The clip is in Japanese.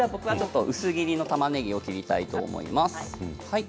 薄切りのたまねぎを切りたいと思います。